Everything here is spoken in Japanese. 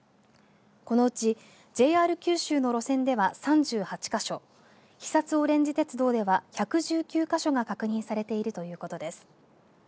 このうちＪＲ九州の路線では、３８か所肥薩おれんじ鉄道では１１９か所が確認されているということです。